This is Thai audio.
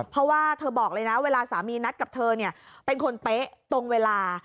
เพราะว่าเธอบอกเลยนะเวลาสามีนัดกับเธอเป็นคนเป๊ะตรงเวลา